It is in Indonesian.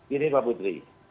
ini pak putri